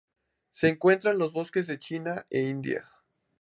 Se encuentra en los bosques de China e India.